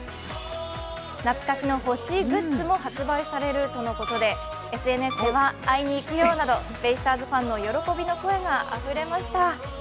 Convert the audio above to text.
懐かしのホッシーグッズも発売されるとのことでＳＮＳではベイスターズファンの喜びの声があふれました。